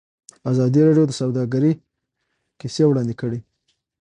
ازادي راډیو د سوداګري کیسې وړاندې کړي.